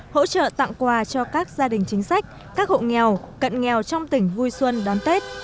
hỗ trợ tặng quà cho các gia đình chính sách các hộ nghèo cận nghèo trong tỉnh vui xuân đón tết